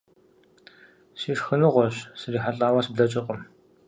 - Си шхыныгъуэщ: срихьэлӏауэ сыблэкӏыркъым.